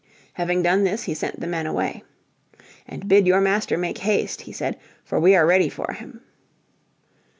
Having done this he sent the men away. "And bid your master make haste," he said, "for we are ready for him."